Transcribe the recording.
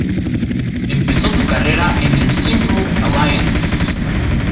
Empezó su carrera en el Cymru Alliance.